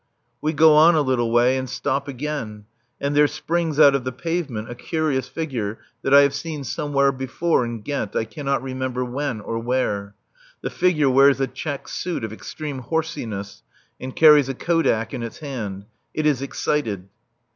We go on a little way and stop again. And there springs out of the pavement a curious figure that I have seen somewhere before in Ghent, I cannot remember when or where. The figure wears a check suit of extreme horsyness and carries a kodak in its hand. It is excited.